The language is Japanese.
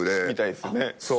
みたいっすよね。